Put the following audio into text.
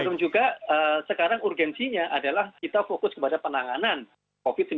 belum juga sekarang urgensinya adalah kita fokus kepada penanganan covid sembilan belas